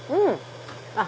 あっ！